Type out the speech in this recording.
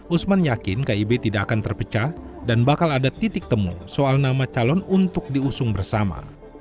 usman yakin kib tidak akan terpecah dan bakal ada titik temu soal nama calon untuk diusung bersama